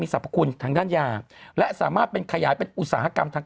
สรรพคุณทางด้านยาและสามารถเป็นขยายเป็นอุตสาหกรรมทาง